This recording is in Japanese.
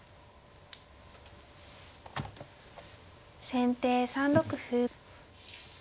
先手３六歩。